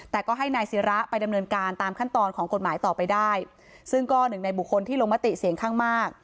แต่ก็ให้นายศิระไปดำเนินการตามขั้นตอนของกฎหมายต่อไปได้ซึ่งก็หนึ่งในบุคคลที่ลงมติเสียงข้างมาก